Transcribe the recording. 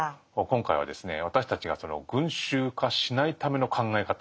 今回はですね私たちが群衆化しないための考え方